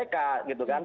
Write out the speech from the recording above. ya itu kan